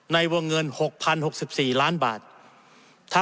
ในวงเงิน๖๐๖๔ล้านบาท